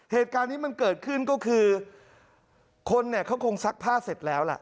เหตุการณ์นี้มันเกิดขึ้นก็คือคนเนี่ยเขาคงซักผ้าเสร็จแล้วล่ะ